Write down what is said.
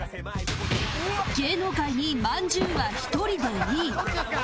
芸能界にまんじゅうは１人でいい